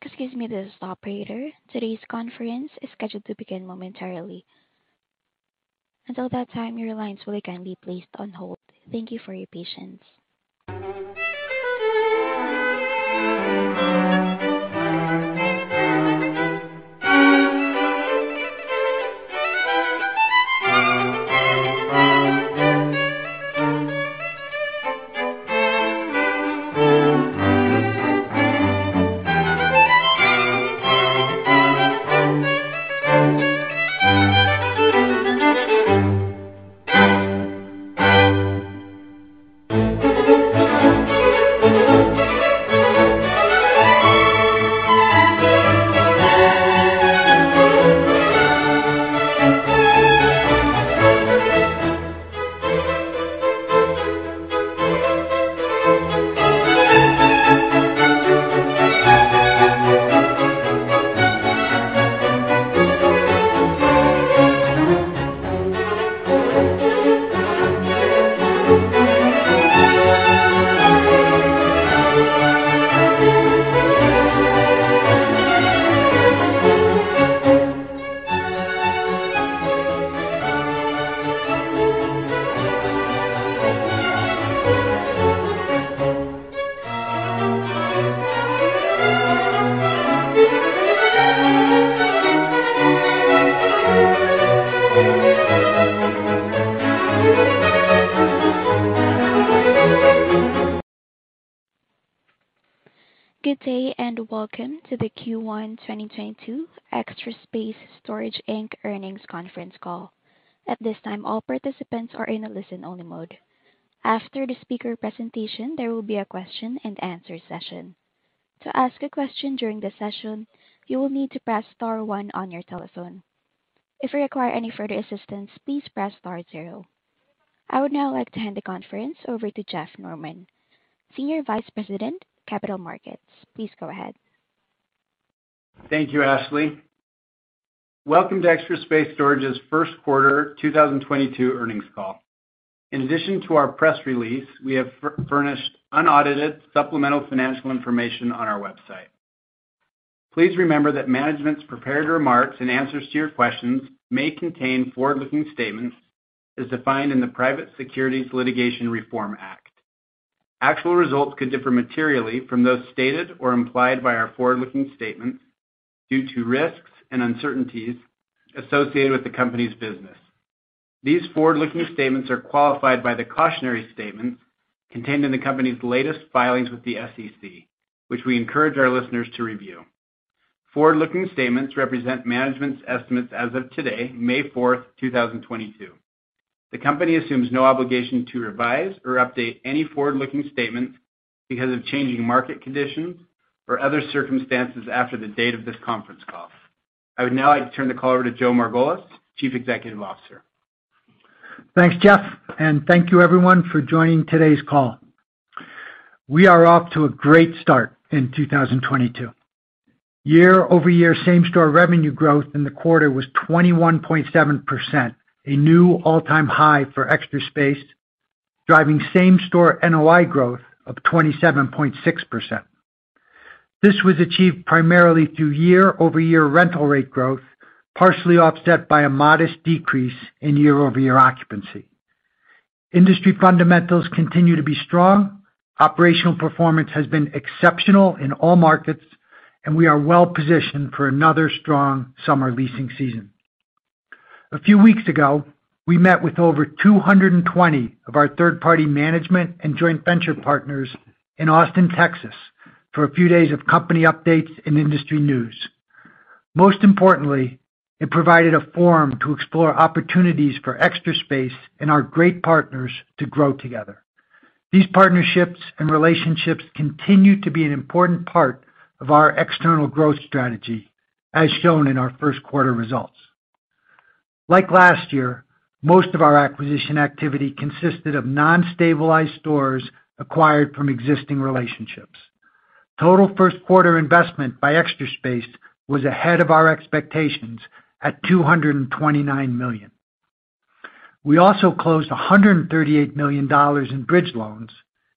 Good day, and welcome to the Q1 2022 Extra Space Storage Inc. earnings conference call. At this time, all participants are in a listen-only mode. After the speaker presentation, there will be a question and answer session. To ask a question during the session, you will need to press star one on your telephone. If you require any further assistance, please press star zero. I would now like to hand the conference over to Jeff Norman, Senior Vice President, Capital Markets. Please go ahead. Thank you, Ashley. Welcome to Extra Space Storage's first quarter 2022 earnings call. In addition to our press release, we have furnished unaudited supplemental financial information on our website. Please remember that management's prepared remarks and answers to your questions may contain forward-looking statements as defined in the Private Securities Litigation Reform Act. Actual results could differ materially from those stated or implied by our forward-looking statement due to risks and uncertainties associated with the company's business. These forward-looking statements are qualified by the cautionary statements contained in the company's latest filings with the SEC, which we encourage our listeners to review. Forward-looking statements represent management's estimates as of today, May 4th, 2022. The company assumes no obligation to revise or update any forward-looking statement because of changing market conditions or other circumstances after the date of this conference call. I would now like to turn the call over to Joe Margolis, Chief Executive Officer. Thanks, Jeff, and thank you everyone for joining today's call. We are off to a great start in 2022. Year-over-year same store revenue growth in the quarter was 21.7%, a new all-time high for Extra Space, driving same store NOI growth of 27.6%. This was achieved primarily through year-over-year rental rate growth, partially offset by a modest decrease in year-over-year occupancy. Industry fundamentals continue to be strong. Operational performance has been exceptional in all markets, and we are well positioned for another strong summer leasing season. A few weeks ago, we met with over 220 of our third-party management and joint venture partners in Austin, Texas, for a few days of company updates and industry news. Most importantly, it provided a forum to explore opportunities for Extra Space and our great partners to grow together. These partnerships and relationships continue to be an important part of our external growth strategy, as shown in our first quarter results. Like last year, most of our acquisition activity consisted of non-stabilized stores acquired from existing relationships. Total first quarter investment by Extra Space was ahead of our expectations at $229 million. We also closed $138 million in bridge loans,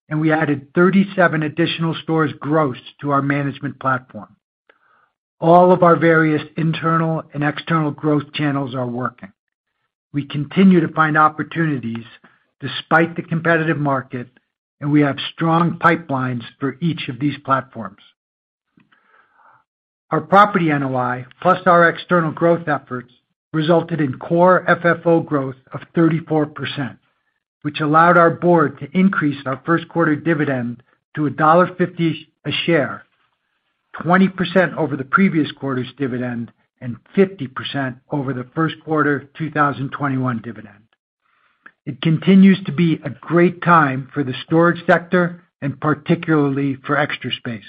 and we added 37 additional stores gross to our management platform. All of our various internal and external growth channels are working. We continue to find opportunities despite the competitive market, and we have strong pipelines for each of these platforms. Our property NOI, plus our external growth efforts, resulted in core FFO growth of 34%, which allowed our board to increase our first quarter dividend to $1.50 a share, 20% over the previous quarter's dividend and 50% over the first quarter 2021 dividend. It continues to be a great time for the storage sector and particularly for Extra Space.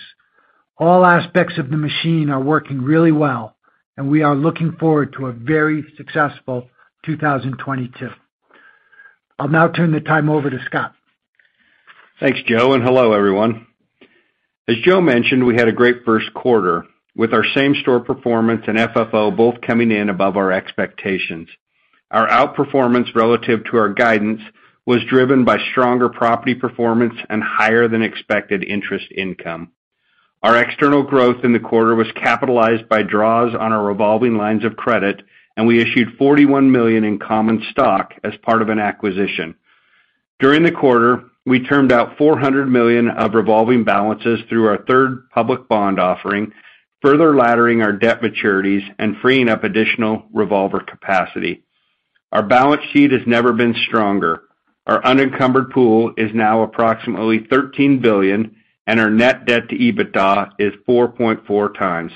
All aspects of the machine are working really well, and we are looking forward to a very successful 2022. I'll now turn the time over to Scott. Thanks, Joe, and hello, everyone. As Joe mentioned, we had a great first quarter, with our same store performance and FFO both coming in above our expectations. Our outperformance relative to our guidance was driven by stronger property performance and higher than expected interest income. Our external growth in the quarter was capitalized by draws on our revolving lines of credit, and we issued $41 million in common stock as part of an acquisition. During the quarter, we termed out $400 million of revolving balances through our third public bond offering, further laddering our debt maturities and freeing up additional revolver capacity. Our balance sheet has never been stronger. Our unencumbered pool is now approximately $13 billion, and our net debt to EBITDA is 4.4x.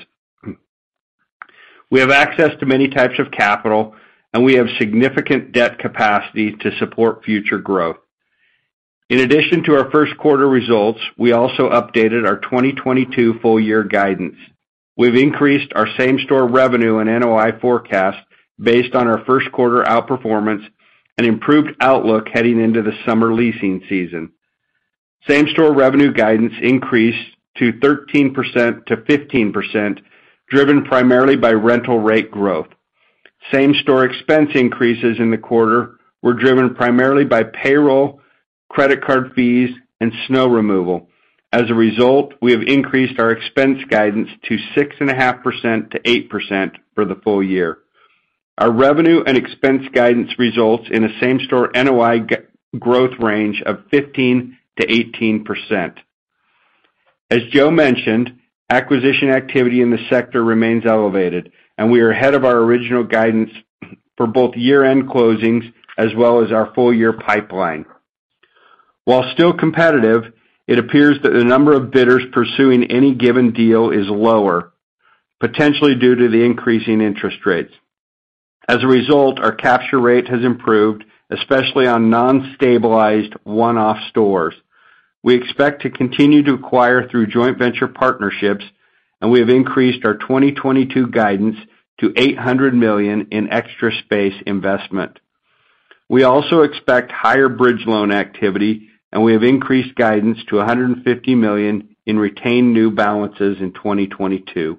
We have access to many types of capital, and we have significant debt capacity to support future growth. In addition to our first quarter results, we also updated our 2022 full year guidance. We've increased our same-store revenue and NOI forecast based on our first quarter outperformance and improved outlook heading into the summer leasing season. Same-store revenue guidance increased to 13%-15%, driven primarily by rental rate growth. Same-store expense increases in the quarter were driven primarily by payroll, credit card fees, and snow removal. As a result, we have increased our expense guidance to 6.5%-8% for the full year. Our revenue and expense guidance results in a same-store NOI growth range of 15%-18%. As Joe mentioned, acquisition activity in the sector remains elevated, and we are ahead of our original guidance for both year-end closings as well as our full-year pipeline. While still competitive, it appears that the number of bidders pursuing any given deal is lower, potentially due to the increasing interest rates. As a result, our capture rate has improved, especially on non-stabilized one-off stores. We expect to continue to acquire through joint venture partnerships, and we have increased our 2022 guidance to $800 million in Extra Space investment. We also expect higher bridge loan activity, and we have increased guidance to $150 million in retained new balances in 2022.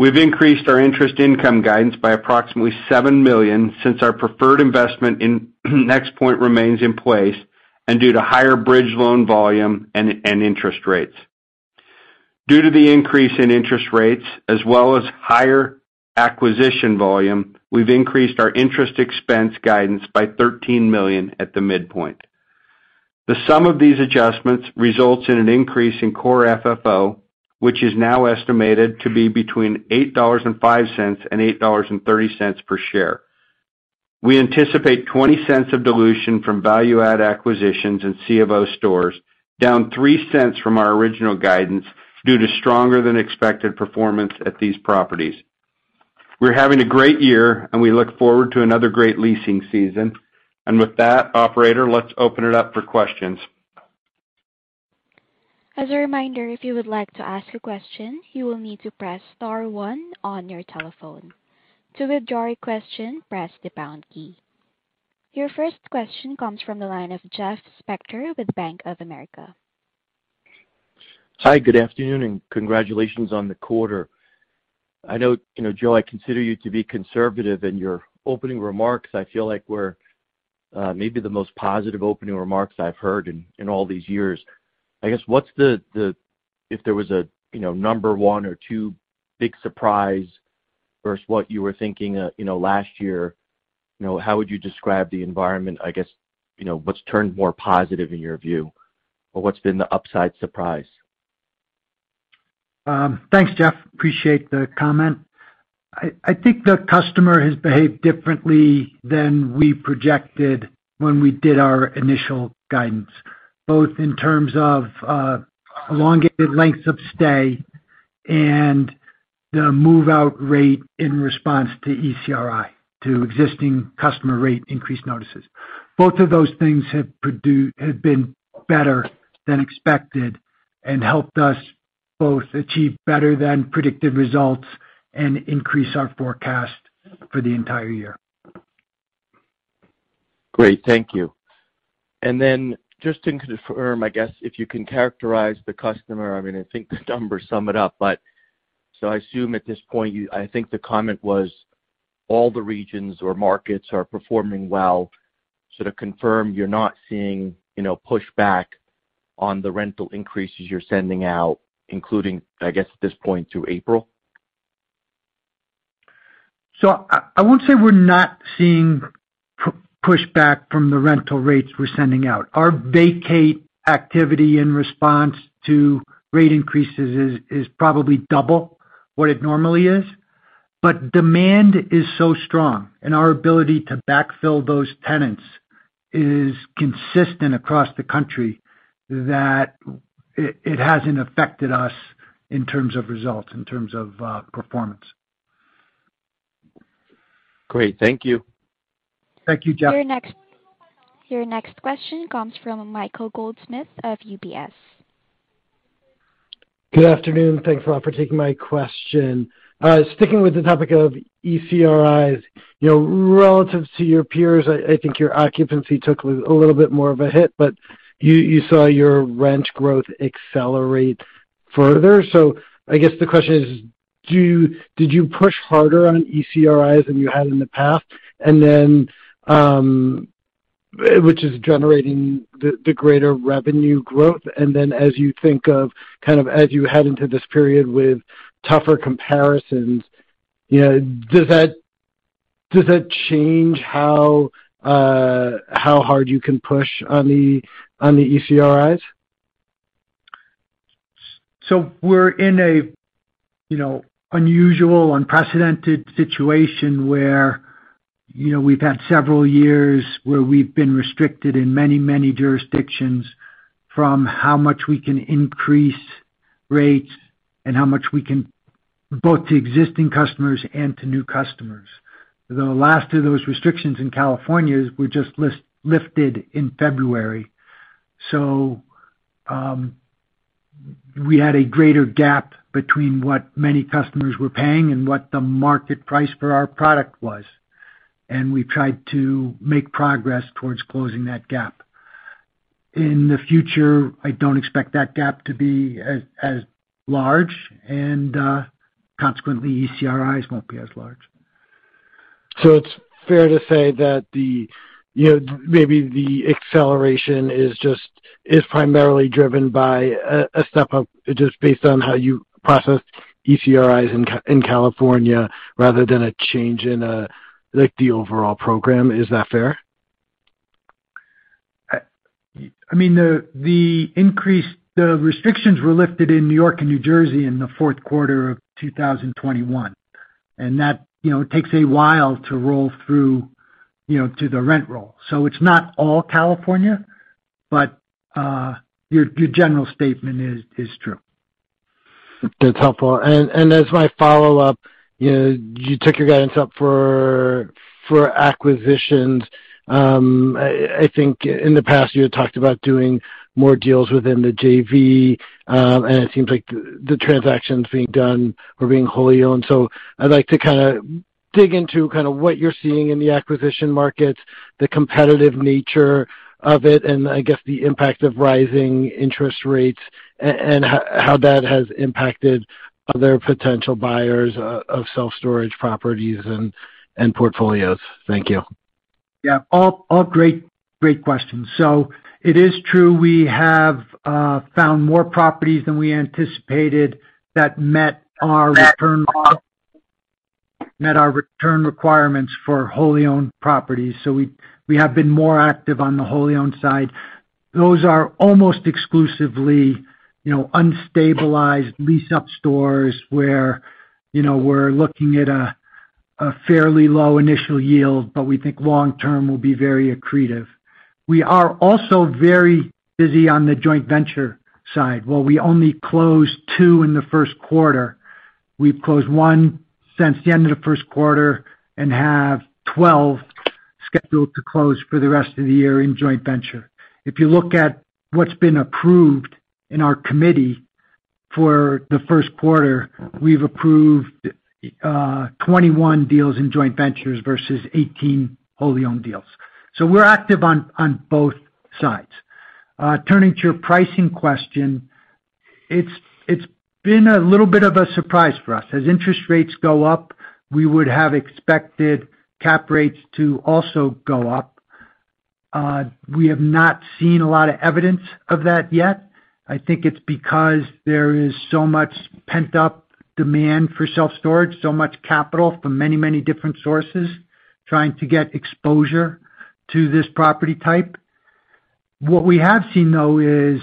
We've increased our interest income guidance by approximately $7 million since our preferred investment in NexPoint remains in place and due to higher bridge loan volume and interest rates. Due to the increase in interest rates as well as higher acquisition volume, we've increased our interest expense guidance by $13 million at the midpoint. The sum of these adjustments results in an increase in core FFO, which is now estimated to be between $8.05 and $8.30 per share. We anticipate $0.20 of dilution from value-add acquisitions and C of O stores, down $0.03 from our original guidance due to stronger than expected performance at these properties. We're having a great year, and we look forward to another great leasing season. With that, operator, let's open it up for questions. As a reminder, if you would like to ask a question, you will need to press star one on your telephone. To withdraw a question, press the pound key. Your first question comes from the line of Jeff Spector with Bank of America. Hi, good afternoon, and congratulations on the quarter. I know, Joe, I consider you to be conservative. In your opening remarks, I feel like were maybe the most positive opening remarks I've heard in all these years. I guess, if there was a number one or two big surprise versus what you were thinking last year, how would you describe the environment? I guess, what's turned more positive in your view? Or what's been the upside surprise? Thanks, Jeff. Appreciate the comment. I think the customer has behaved differently than we projected when we did our initial guidance, both in terms of, elongated lengths of stay and the move-out rate in response to ECRI, to existing customer rate increase notices. Both of those things have been better than expected and helped us both achieve better than predicted results and increase our forecast for the entire year. Great. Thank you. Just to confirm, I guess if you can characterize the customer, I mean, I think the numbers sum it up, but I assume at this point, I think the comment was all the regions or markets are performing well. To confirm you're not seeing, you know, pushback on the rental increases you're sending out, including, I guess, at this point through April. I won't say we're not seeing pushback from the rental rates we're sending out. Our vacate activity in response to rate increases is probably double what it normally is. Demand is so strong and our ability to backfill those tenants is consistent across the country that it hasn't affected us in terms of results, in terms of performance. Great. Thank you. Thank you, Jeff. Your next question comes from Michael Goldsmith of UBS. Good afternoon. Thanks a lot for taking my question. Sticking with the topic of ECRIs, you know, relative to your peers, I think your occupancy took a little bit more of a hit, but you saw your rent growth accelerate further. I guess the question is, did you push harder on ECRIs than you had in the past? Which is generating the greater revenue growth. As you think, kind of, as you head into this period with tougher comparisons, you know, does that change how hard you can push on the ECRIs? We're in a, you know, unusual, unprecedented situation where, you know, we've had several years where we've been restricted in many, many jurisdictions from how much we can increase rates and how much we can both to existing customers and to new customers. The last of those restrictions in California were just lifted in February. We had a greater gap between what many customers were paying and what the market price for our product was. We've tried to make progress towards closing that gap. In the future, I don't expect that gap to be as large, and consequently, ECRIs won't be as large. It's fair to say that the, you know, maybe the acceleration is just primarily driven by a step up just based on how you processed ECRIs in California rather than a change in like the overall program. Is that fair? I mean, the restrictions were lifted in New York and New Jersey in the fourth quarter of 2021, and that, you know, takes a while to roll through, you know, to the rent roll. It's not all California, but your general statement is true. That's helpful. As my follow-up, you know, you took your guidance up for acquisitions. I think in the past you had talked about doing more deals within the JV, and it seems like the transactions being done were being wholly owned. I'd like to kind of dig into kind of what you're seeing in the acquisition markets, the competitive nature of it, and I guess the impact of rising interest rates and how that has impacted other potential buyers of self-storage properties and portfolios. Thank you. Yeah. All great questions. It is true we have found more properties than we anticipated that met our return requirements for wholly owned properties. We have been more active on the wholly owned side. Those are almost exclusively, you know, unstabilized lease-up stores where, you know, we're looking at a fairly low initial yield, but we think long term will be very accretive. We are also very busy on the joint venture side. While we only closed two in the first quarter, we've closed one since the end of the first quarter and have 12 scheduled to close for the rest of the year in joint venture. If you look at what's been approved in our committee for the first quarter, we've approved 21 deals in joint ventures versus 18 wholly owned deals. We're active on both sides. Turning to your pricing question, it's been a little bit of a surprise for us. As interest rates go up, we would have expected cap rates to also go up. We have not seen a lot of evidence of that yet. I think it's because there is so much pent-up demand for self storage, so much capital from many different sources trying to get exposure to this property type. What we have seen, though, is,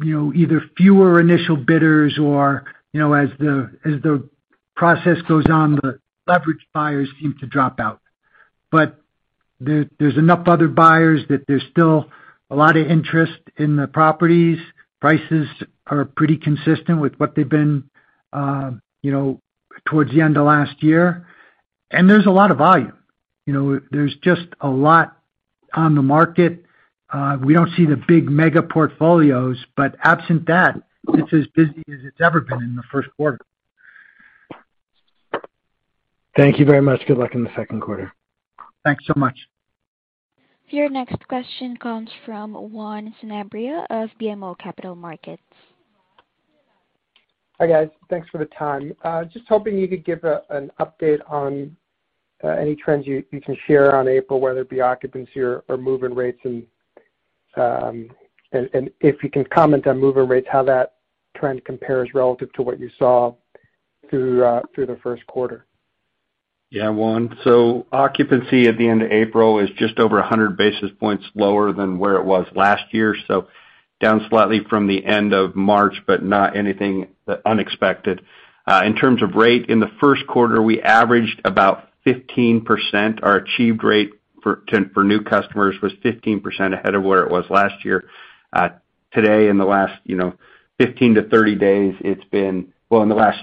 you know, either fewer initial bidders or, you know, as the process goes on, the leverage buyers seem to drop out. But there's enough other buyers that there's still a lot of interest in the properties. Prices are pretty consistent with what they've been, you know, towards the end of last year. There's a lot of volume. You know, there's just a lot on the market. We don't see the big mega portfolios, but absent that, it's as busy as it's ever been in the first quarter. Thank you very much. Good luck in the second quarter. Thanks so much. Your next question comes from Juan Sanabria of BMO Capital Markets. Hi, guys. Thanks for the time. Just hoping you could give an update on any trends you can share on April, whether it be occupancy or move-in rates and if you can comment on move-in rates, how that trend compares relative to what you saw through the first quarter? Yeah, Juan. Occupancy at the end of April is just over 100 basis points lower than where it was last year, down slightly from the end of March, but not anything unexpected. In terms of rate, in the first quarter, we averaged about 15%. Our achieved rate for new customers was 15% ahead of where it was last year. Today in the last, you know, 15 to 30 days, it's been. Well, in the last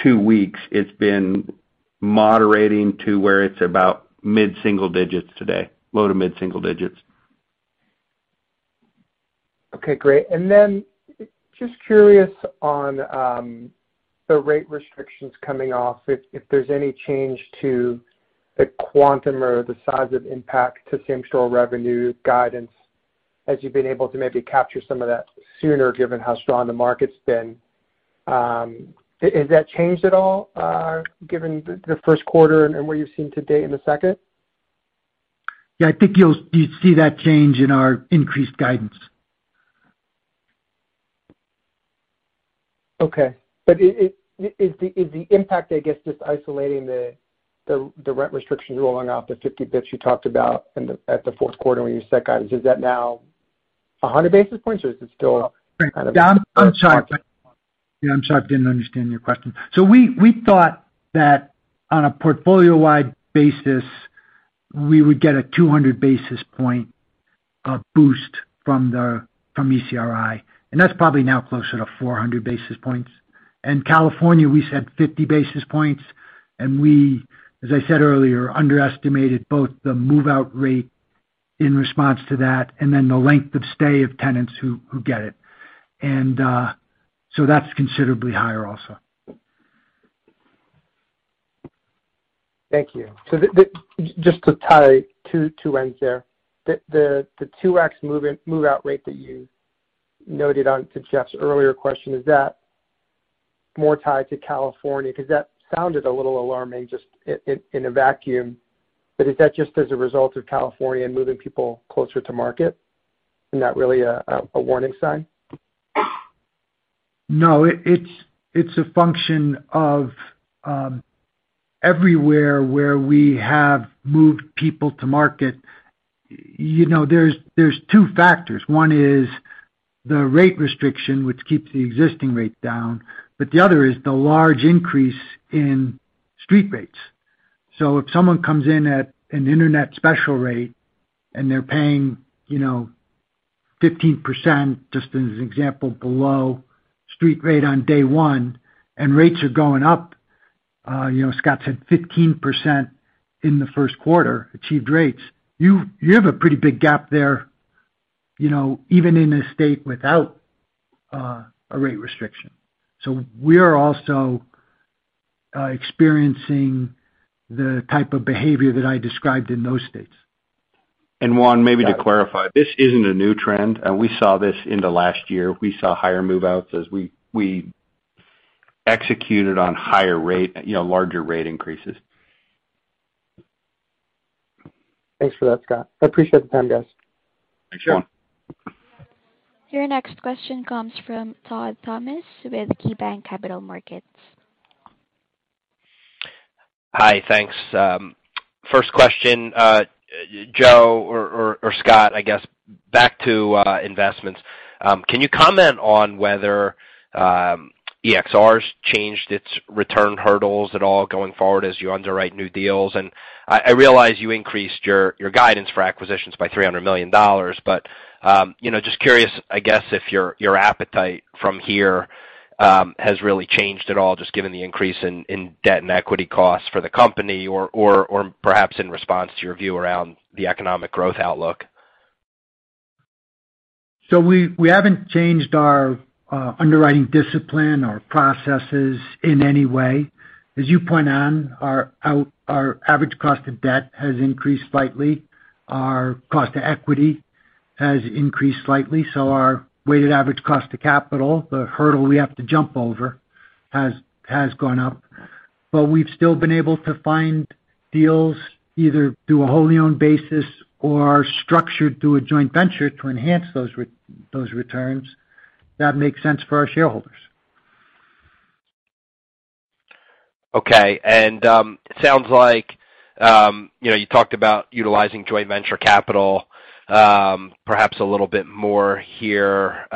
two weeks, it's been moderating to where it's about mid-single digits today, low to mid-single digits. Okay, great. Then just curious on the rate restrictions coming off, if there's any change to the quantum or the size of impact to same-store revenue guidance as you've been able to maybe capture some of that sooner given how strong the market's been, has that changed at all, given the first quarter and what you've seen to date in the second? Yeah, I think you see that change in our increased guidance. Okay. Is the impact, I guess, just isolating the rent restrictions rolling off the 50 basis points you talked about at the fourth quarter when you set guidance, is that now 100 basis points or is it still kind of? Right. Yeah, I'm sorry. I didn't understand your question. We thought that on a portfolio-wide basis, we would get a 200 basis points boost from ECRI, and that's probably now closer to 400 basis points. In California, we said 50 basis points, and we, as I said earlier, underestimated both the move-out rate in response to that and then the length of stay of tenants who get it. That's considerably higher also. Thank you. Just to tie two ends there. The 2x move-in/move-out rate that you noted on to Jeff's earlier question, is that more tied to California? 'Cause that sounded a little alarming just in a vacuum. Is that just as a result of California moving people closer to market and not really a warning sign? No. It's a function of everywhere where we have moved people to market, you know, there's two factors. One is the rate restriction, which keeps the existing rate down, but the other is the large increase in street rates. If someone comes in at an internet special rate and they're paying, you know, 15%, just as an example, below street rate on day one and rates are going up, you know, Scott said 15% in the first quarter achieved rates, you have a pretty big gap there, you know, even in a state without a rate restriction. We are also experiencing the type of behavior that I described in those states. Juan, maybe to clarify, this isn't a new trend. We saw this in the last year. We saw higher move-outs as we executed on higher rate, you know, larger rate increases. Thanks for that, Scott. I appreciate the time, guys. Thanks, Juan. Your next question comes from Todd Thomas with KeyBanc Capital Markets. Hi. Thanks. First question, Joe or Scott, I guess back to investments. Can you comment on whether EXR's changed its return hurdles at all going forward as you underwrite new deals? I realize you increased your guidance for acquisitions by $300 million, but you know, just curious, I guess, if your appetite from here has really changed at all just given the increase in debt and equity costs for the company or perhaps in response to your view around the economic growth outlook. We haven't changed our underwriting discipline or processes in any way. As you point out, our average cost of debt has increased slightly. Our cost to equity has increased slightly. Our weighted average cost of capital, the hurdle we have to jump over has gone up. We've still been able to find deals either through a wholly owned basis or structured through a joint venture to enhance those returns that make sense for our shareholders. Okay. Sounds like you know, you talked about utilizing joint venture capital, perhaps a little bit more here,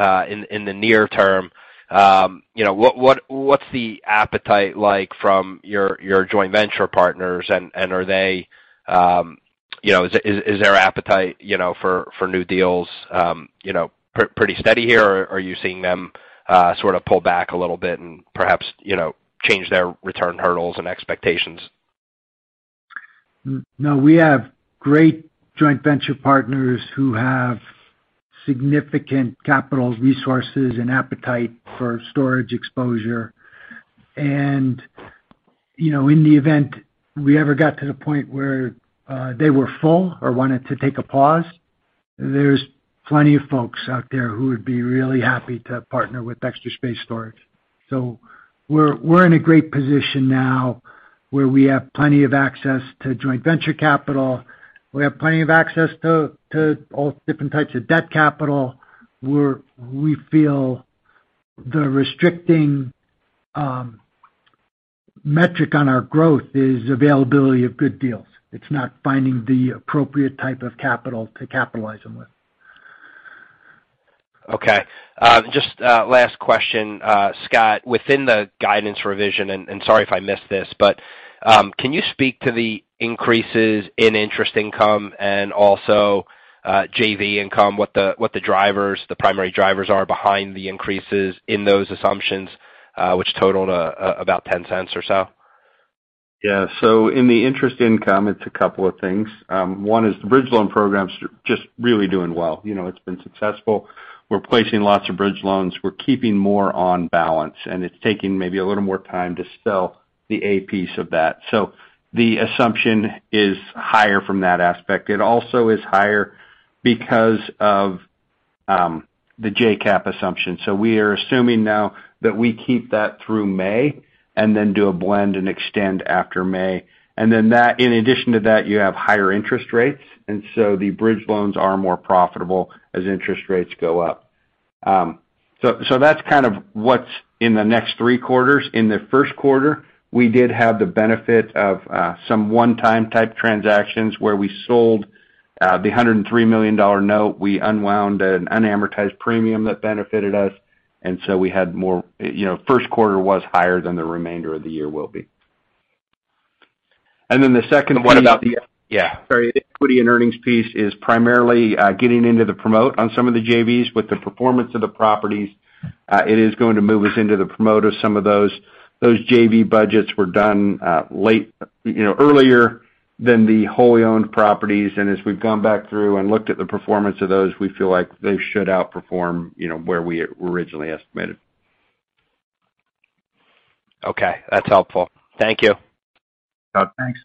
in the near term. You know, what's the appetite like from your joint venture partners and are they, you know, is their appetite, you know, for new deals, you know, pretty steady here or are you seeing them sort of pull back a little bit and perhaps, you know, change their return hurdles and expectations? No, we have great joint venture partners who have significant capital resources and appetite for storage exposure. You know, in the event we ever got to the point where they were full or wanted to take a pause, there's plenty of folks out there who would be really happy to partner with Extra Space Storage. We're in a great position now where we have plenty of access to joint venture capital. We have plenty of access to all different types of debt capital. We feel the restricting metric on our growth is availability of good deals. It's not finding the appropriate type of capital to capitalize them with. Okay. Just last question. Scott, within the guidance revision, and sorry if I missed this, but can you speak to the increases in interest income and also JV income, what the drivers, the primary drivers are behind the increases in those assumptions, which totaled about $0.10 or so? Yeah. In the interest income, it's a couple of things. One is the bridge loan program's just really doing well. You know, it's been successful. We're placing lots of bridge loans. We're keeping more on balance, and it's taking maybe a little more time to spell the APs of that. The assumption is higher from that aspect. It also is higher because of the JCAP assumption. We are assuming now that we keep that through May and then do a blend and extend after May. In addition to that, you have higher interest rates, and so the bridge loans are more profitable as interest rates go up. That's kind of what's in the next three quarters. In the first quarter, we did have the benefit of some one-time type transactions where we sold the $103 million note. We unwound an unamortized premium that benefited us, and so we had more. You know, first quarter was higher than the remainder of the year will be. Then the second- What about the- Yeah. Sorry. Equity and earnings piece is primarily getting into the promote on some of the JVs. With the performance of the properties, it is going to move us into the promote of some of those. Those JV budgets were done, you know, earlier than the wholly owned properties. As we've gone back through and looked at the performance of those, we feel like they should outperform, you know, where we originally estimated. Okay. That's helpful. Thank you. Thanks.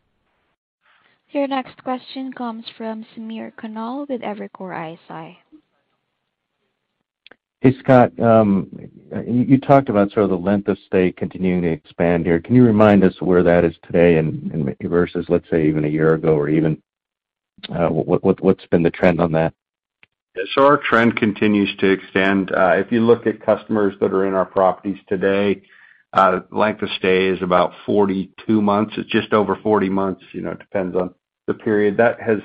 Your next question comes from Samir Khanal with Evercore ISI. Hey, Scott. You talked about sort of the length of stay continuing to expand here. Can you remind us where that is today and versus, let's say, even a year ago or even what's been the trend on that? Yeah. Our trend continues to extend. If you look at customers that are in our properties today, length of stay is about 42 months. It's just over 40 months. You know, it depends on the period. That has,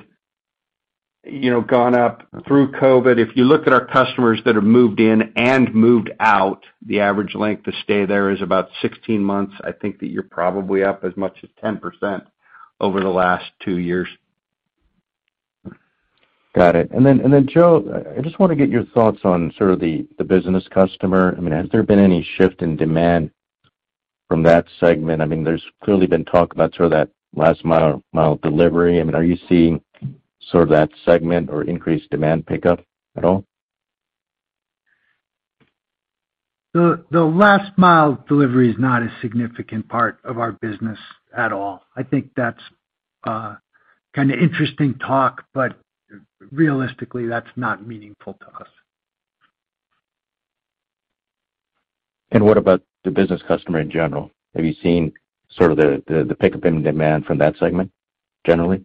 you know, gone up through COVID. If you look at our customers that have moved in and moved out, the average length of stay there is about 16 months. I think that you're probably up as much as 10% over the last two years. Got it. Joe, I just wanna get your thoughts on sort of the business customer. I mean, has there been any shift in demand from that segment? I mean, there's clearly been talk about sort of that last mile delivery. I mean, are you seeing sort of that segment or increased demand pick up at all? The last mile delivery is not a significant part of our business at all. I think that's kind of interesting talk, but realistically, that's not meaningful to us. What about the business customer in general? Have you seen sort of the pickup in demand from that segment generally?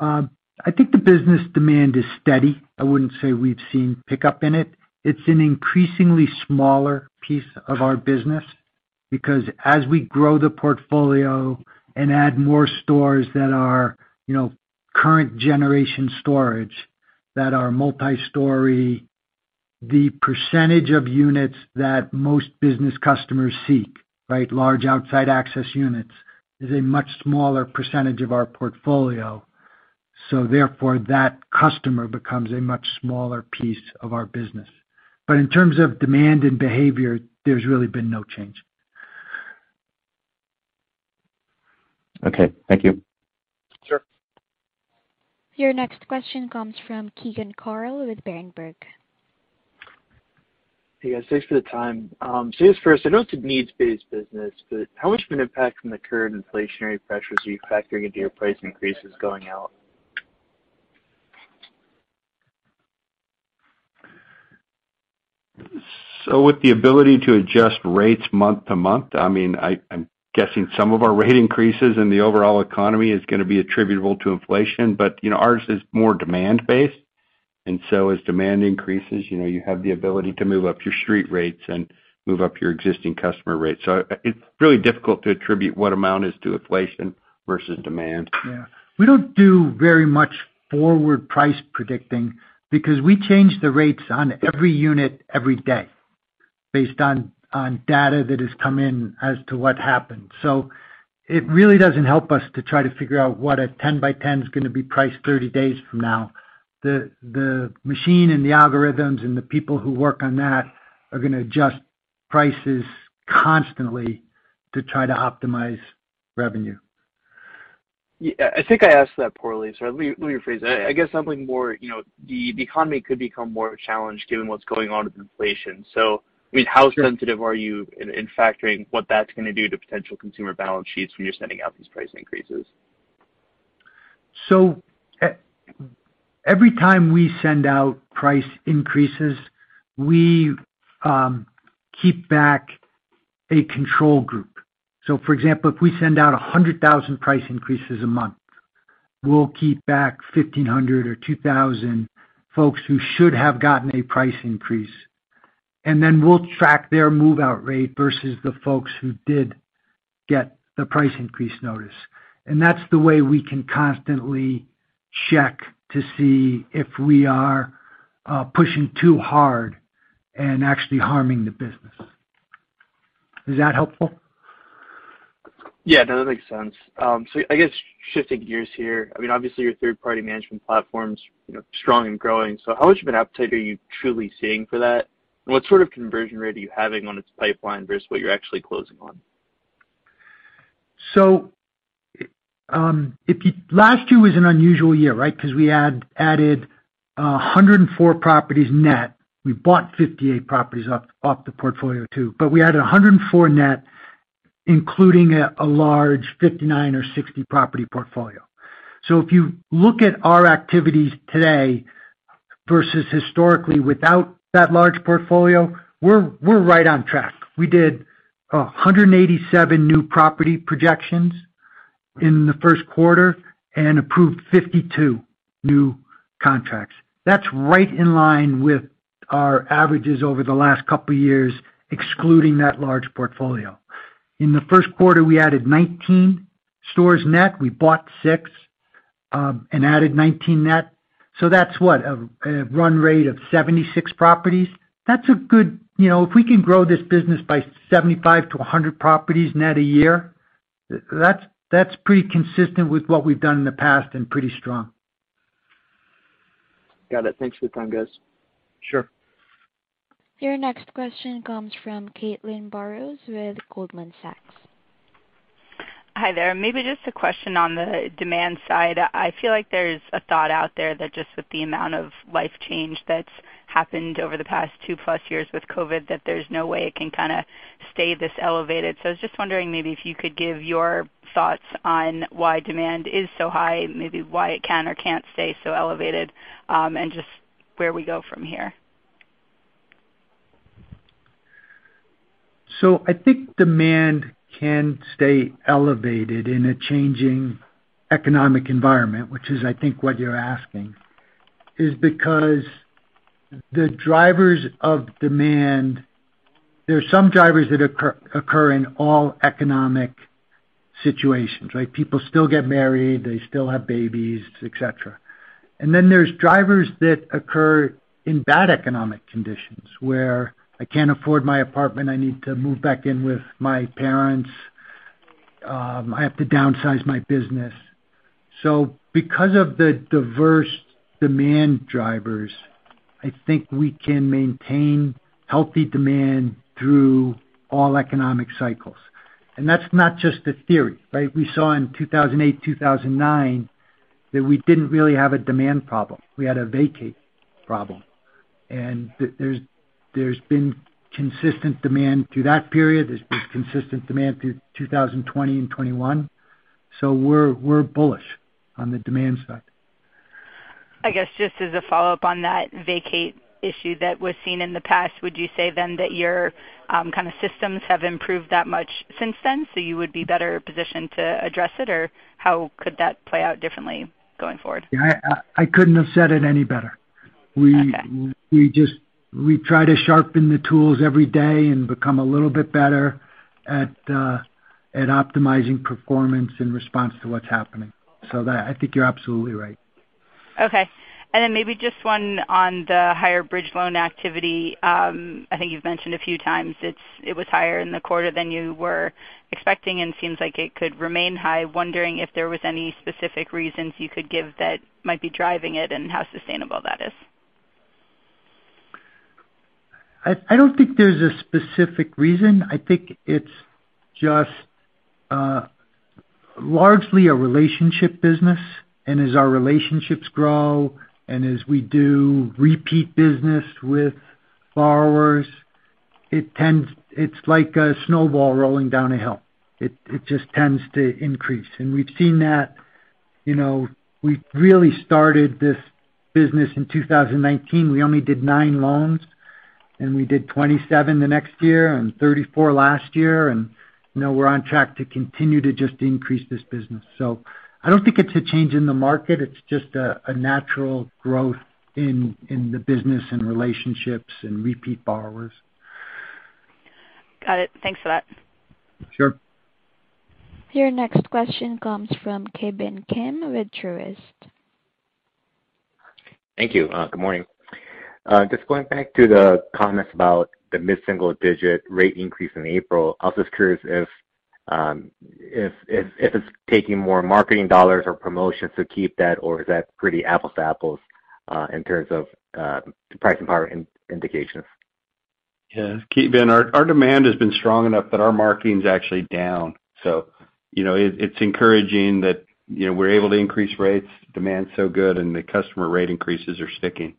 I think the business demand is steady. I wouldn't say we've seen pickup in it. It's an increasingly smaller piece of our business because as we grow the portfolio and add more stores that are, you know, current generation storage that are multi-story, the percentage of units that most business customers seek, right, large outside access units, is a much smaller percentage of our portfolio, so therefore that customer becomes a much smaller piece of our business. In terms of demand and behavior, there's really been no change. Okay. Thank you. Sure. Your next question comes from Keegan Carl with Berenberg. Hey, guys. Thanks for the time. Just first, I know it's a needs-based business, but how much of an impact from the current inflationary pressures are you factoring into your price increases going out? With the ability to adjust rates month to month, I mean, I'm guessing some of our rate increases in the overall economy is gonna be attributable to inflation. You know, ours is more demand-based. As demand increases, you know, you have the ability to move up your street rates and move up your existing customer rates. It's really difficult to attribute what amount is to inflation versus demand. Yeah. We don't do very much forward price predicting because we change the rates on every unit every day based on data that has come in as to what happened. It really doesn't help us to try to figure out what a 10-by-10 is gonna be priced 30 days from now. The machine and the algorithms and the people who work on that are gonna adjust prices constantly to try to optimize revenue. Yeah. I think I asked that poorly, so let me rephrase that. I guess something more, you know, the economy could become more challenged given what's going on with inflation. I mean, how sensitive are you in factoring what that's gonna do to potential consumer balance sheets when you're sending out these price increases? Every time we send out price increases, we keep back a control group. For example, if we send out 100,000 price increases a month, we'll keep back 1,500 or 2,000 folks who should have gotten a price increase, and then we'll track their move-out rate versus the folks who did get the price increase notice. That's the way we can constantly check to see if we are pushing too hard and actually harming the business. Is that helpful? Yeah. No, that makes sense. I guess shifting gears here. I mean, obviously, your third-party management platform's, you know, strong and growing. How much of an appetite are you truly seeing for that? What sort of conversion rate are you having on its pipeline versus what you're actually closing on? Last year was an unusual year, right? Because we added 104 properties net. We bought 58 properties off the portfolio too, but we added 104 net, including a large 59 or 60 property portfolio. If you look at our activities today versus historically without that large portfolio, we're right on track. We did 187 new property projections in the first quarter and approved 52 new contracts. That's right in line with our averages over the last couple of years, excluding that large portfolio. In the first quarter, we added 19 stores net. We bought six and added 19 net. That's what, a run rate of 76 properties. That's a good. You know, if we can grow this business by 75-100 properties net a year, that's pretty consistent with what we've done in the past and pretty strong. Got it. Thanks for the time, guys. Sure. Your next question comes from Caitlin Burrows with Goldman Sachs. Hi, there. Maybe just a question on the demand side. I feel like there's a thought out there that just with the amount of life change that's happened over the past 2+ years with COVID, that there's no way it can kinda stay this elevated. I was just wondering maybe if you could give your thoughts on why demand is so high, maybe why it can or can't stay so elevated, and just where we go from here. I think demand can stay elevated in a changing economic environment, which is I think what you're asking, is because the drivers of demand, there are some drivers that occur in all economic situations, right? People still get married, they still have babies, et cetera. There's drivers that occur in bad economic conditions where I can't afford my apartment, I need to move back in with my parents, I have to downsize my business. Because of the diverse demand drivers, I think we can maintain healthy demand through all economic cycles. That's not just a theory, right? We saw in 2008, 2009 that we didn't really have a demand problem. We had a vacate problem. There's been consistent demand through that period. There's been consistent demand through 2020 and 2021. We're bullish on the demand side. I guess, just as a follow-up on that vacate issue that was seen in the past, would you say then that your kinda systems have improved that much since then, so you would be better positioned to address it? Or how could that play out differently going forward? Yeah, I couldn't have said it any better. Okay. We try to sharpen the tools every day and become a little bit better at optimizing performance in response to what's happening. So that, I think you're absolutely right. Okay. Maybe just one on the higher bridge loan activity. I think you've mentioned a few times it was higher in the quarter than you were expecting, and it seems like it could remain high. Wondering if there was any specific reasons you could give that might be driving it and how sustainable that is? I don't think there's a specific reason. I think it's just largely a relationship business, and as our relationships grow and as we do repeat business with borrowers, it tends. It's like a snowball rolling down a hill. It just tends to increase. We've seen that, you know, we really started this business in 2019. We only did nine loans, and we did 27 the next year and 34 last year. You know, we're on track to continue to just increase this business. I don't think it's a change in the market. It's just a natural growth in the business and relationships and repeat borrowers. Got it. Thanks for that. Sure. Your next question comes from Ki Bin Kim with Truist. Thank you. Good morning. Just going back to the comments about the mid-single digit rate increase in April, I was just curious if it's taking more marketing dollars or promotions to keep that, or is that pretty apples to apples, in terms of the pricing power indications? Yeah. Ki Bin, our demand has been strong enough that our marketing's actually down. You know, it's encouraging that, you know, we're able to increase rates, demand's so good, and the customer rate increases are sticking,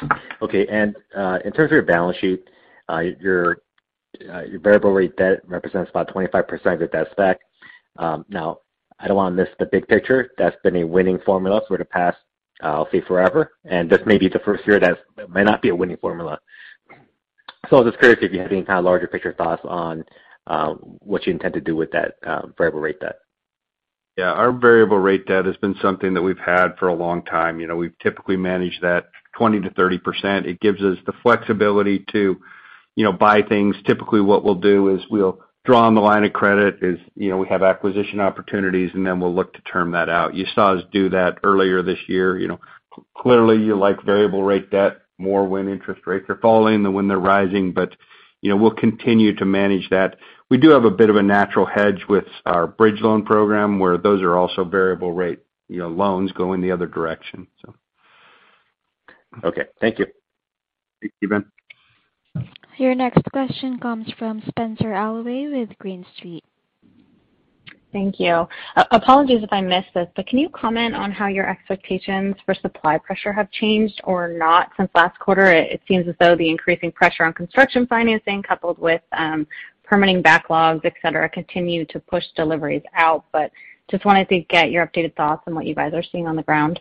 so. Okay. In terms of your balance sheet, your variable rate debt represents about 25% of the debt stack. Now, I don't wanna miss the big picture. That's been a winning formula for the past, I'll say forever, and this may be the first year that may not be a winning formula. I was just curious if you have any kind of larger picture thoughts on what you intend to do with that variable rate debt. Yeah. Our variable rate debt has been something that we've had for a long time. You know, we've typically managed that 20%-30%. It gives us the flexibility to, you know, buy things. Typically, what we'll do is we'll draw on the line of credit as, you know, we have acquisition opportunities, and then we'll look to term that out. You saw us do that earlier this year. You know, clearly, you like variable rate debt more when interest rates are falling than when they're rising. You know, we'll continue to manage that. We do have a bit of a natural hedge with our bridge loan program, where those are also variable rate, you know, loans going the other direction, so. Okay. Thank you. Thank you, Ki Bin. Your next question comes from Spenser Allaway with Green Street. Thank you. Apologies if I missed this, but can you comment on how your expectations for supply pressure have changed or not since last quarter? It seems as though the increasing pressure on construction financing coupled with permitting backlogs, et cetera, continue to push deliveries out, but just wanted to get your updated thoughts on what you guys are seeing on the ground.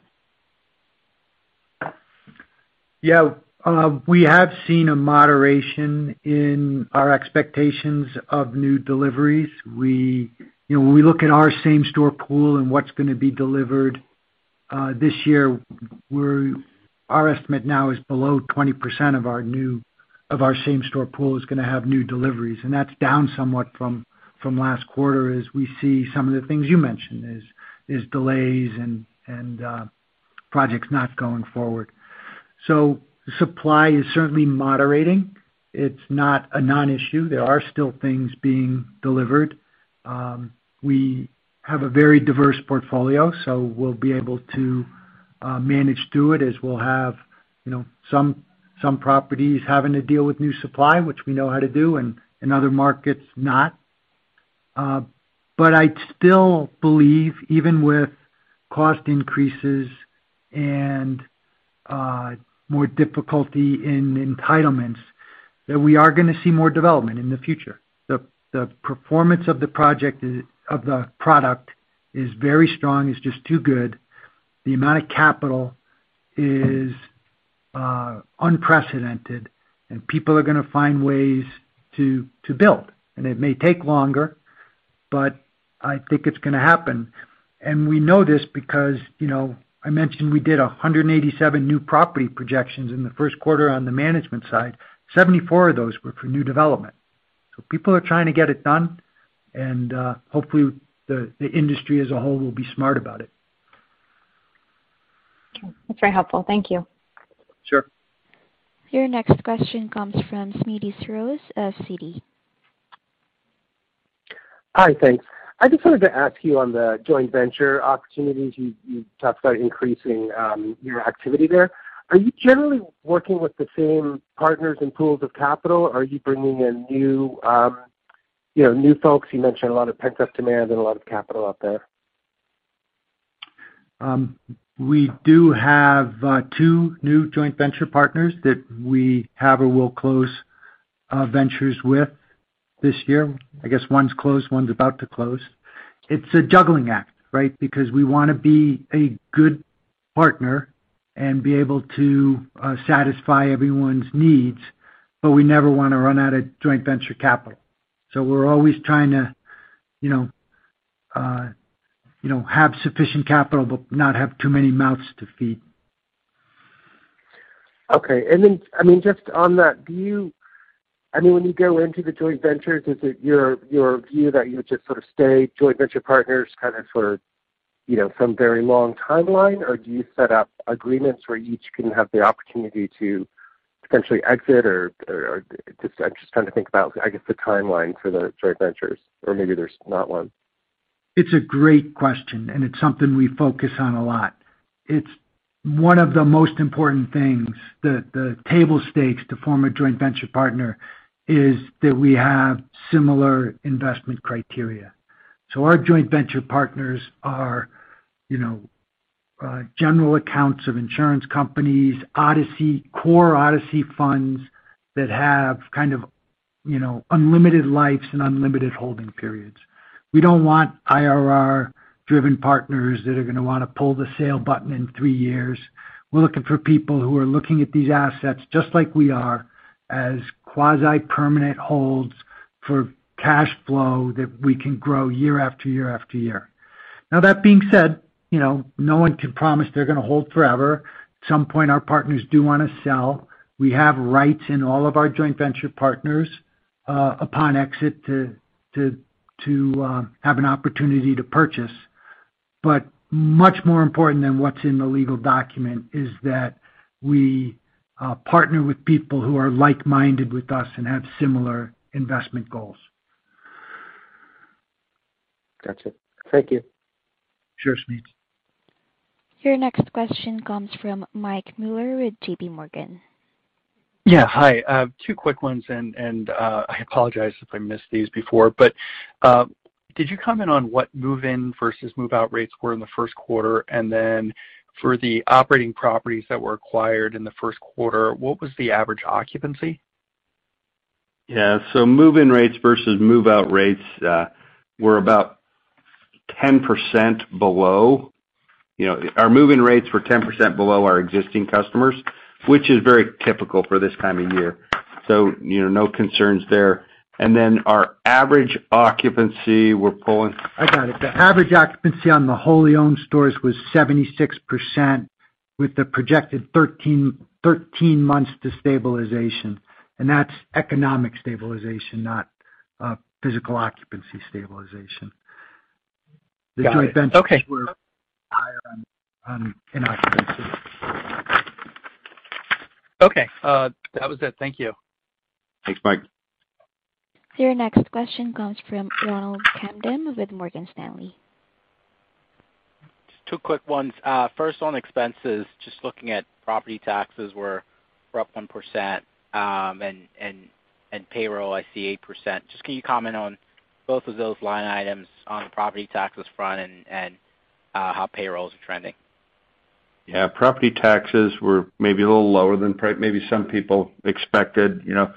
Yeah. We have seen a moderation in our expectations of new deliveries. You know, when we look at our same-store pool and what's gonna be delivered this year, our estimate now is below 20% of our same-store pool is gonna have new deliveries, and that's down somewhat from last quarter as we see some of the things you mentioned, delays and projects not going forward. Supply is certainly moderating. It's not a non-issue. There are still things being delivered. We have a very diverse portfolio, so we'll be able to manage through it as we'll have, you know, some properties having to deal with new supply, which we know how to do, and other markets not. I still believe even with cost increases and more difficulty in entitlements, that we are gonna see more development in the future. The performance of the product is very strong, it's just too good. The amount of capital is unprecedented, and people are gonna find ways to build. It may take longer, but I think it's gonna happen. We know this because, you know, I mentioned we did 187 new property projections in the first quarter on the management side. 74 of those were for new development. People are trying to get it done and hopefully the industry as a whole will be smart about it. Okay. That's very helpful. Thank you. Sure. Your next question comes from Smedes Rose of Citi. Hi, thanks. I just wanted to ask you on the joint venture opportunities. You talked about increasing your activity there. Are you generally working with the same partners and pools of capital, or are you bringing in new, you know, new folks? You mentioned a lot of pent-up demand and a lot of capital out there. We do have two new joint venture partners that we have or will close ventures with this year. I guess one's closed, one's about to close. It's a juggling act, right? Because we wanna be a good partner and be able to satisfy everyone's needs, but we never wanna run out of joint venture capital. We're always trying to, you know, you know, have sufficient capital but not have too many mouths to feed. Okay. I mean, just on that, do you, I mean, when you go into the joint ventures, is it your view that you just sort of stay joint venture partners kind of sort of, you know, some very long timeline? Do you set up agreements where each can have the opportunity to potentially exit? Just, I'm just trying to think about, I guess, the timeline for the joint ventures, or maybe there's not one. It's a great question, and it's something we focus on a lot. It's one of the most important things that the table stakes to form a joint venture partner is that we have similar investment criteria. Our joint venture partners are, you know, general accounts of insurance companies, ODCE, core ODCE funds that have kind of, you know, unlimited lives and unlimited holding periods. We don't want IRR-driven partners that are gonna wanna pull the sale button in three years. We're looking for people who are looking at these assets just like we are, as quasi-permanent holds for cash flow that we can grow year after year after year. Now that being said, you know, no one can promise they're gonna hold forever. At some point, our partners do wanna sell. We have rights in all of our joint venture partners, upon exit to have an opportunity to purchase. Much more important than what's in the legal document is that we partner with people who are like-minded with us and have similar investment goals. Gotcha. Thank you. Sure, Smedes. Your next question comes from Michael Mueller with JPMorgan. Hi. Two quick ones, and I apologize if I missed these before. Did you comment on what move-in versus move-out rates were in the first quarter? For the operating properties that were acquired in the first quarter, what was the average occupancy? Yeah. Move-in rates versus move-out rates were about 10% below. You know, our move-in rates were 10% below our existing customers, which is very typical for this time of year. You know, no concerns there. Our average occupancy. The average occupancy on the wholly owned stores was 76% with the projected 13 months to stabilization. That's economic stabilization, not physical occupancy stabilization. Got it. Okay. In occupancy. Okay. That was it. Thank you. Thanks, Mike. Your next question comes from Ronald Kamdem with Morgan Stanley. Just two quick ones. First on expenses, just looking at property taxes were up 1%. Payroll, I see 8%. Just can you comment on both of those line items on the property taxes front and how payrolls are trending? Yeah. Property taxes were maybe a little lower than maybe some people expected. You know,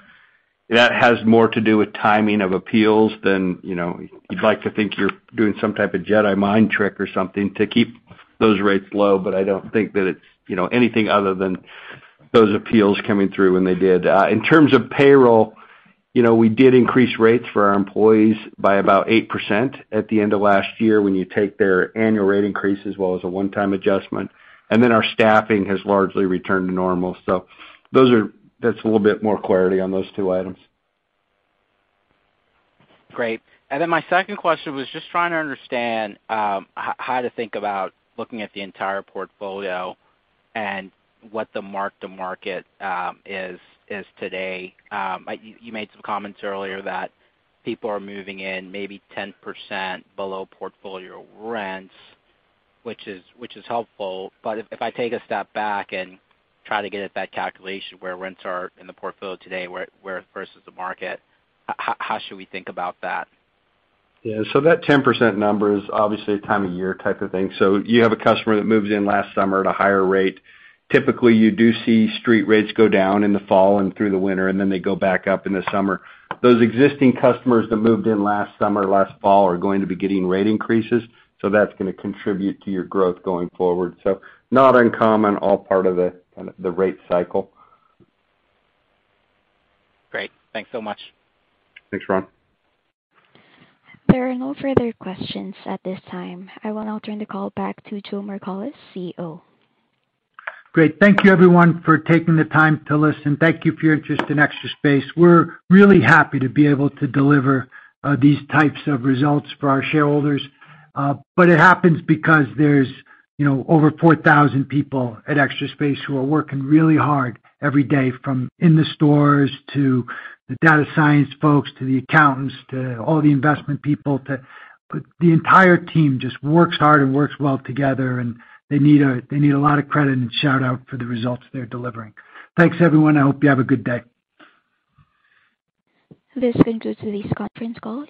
that has more to do with timing of appeals than, you know, you'd like to think you're doing some type of Jedi mind trick or something to keep those rates low, but I don't think that it's, you know, anything other than those appeals coming through when they did. In terms of payroll, you know, we did increase rates for our employees by about 8% at the end of last year when you take their annual rate increase as well as a one-time adjustment. Then our staffing has largely returned to normal. So those are. That's a little bit more clarity on those two items. Great. My second question was just trying to understand, how to think about looking at the entire portfolio and what the mark-to-market is today. You made some comments earlier that people are moving in maybe 10% below portfolio rents, which is helpful. If I take a step back and try to get at that calculation where rents are in the portfolio today, where versus the market, how should we think about that? Yeah. That 10% number is obviously a time of year type of thing. You have a customer that moves in last summer at a higher rate. Typically, you do see street rates go down in the fall and through the winter, and then they go back up in the summer. Those existing customers that moved in last summer, last fall are going to be getting rate increases, so that's gonna contribute to your growth going forward. Not uncommon, all part of the, kind of the rate cycle. Great. Thanks so much. Thanks, Ron. There are no further questions at this time. I will now turn the call back to Joe Margolis, CEO. Great. Thank you everyone for taking the time to listen. Thank you for your interest in Extra Space. We're really happy to be able to deliver these types of results for our shareholders. It happens because there's, you know, over 4,000 people at Extra Space who are working really hard every day, from in the stores to the data science folks, to the accountants, to all the investment people. The entire team just works hard and works well together, and they need a lot of credit and shout-out for the results they're delivering. Thanks, everyone. I hope you have a good day. This concludes today's conference call.